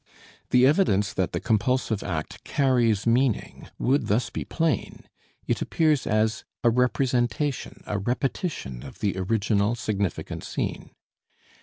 The evidence that the compulsive act carries meaning would thus be plain; it appears as a representation, a repetition of the original significant scene.